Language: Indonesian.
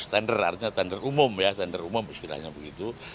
tender artinya tender umum ya tender umum istilahnya begitu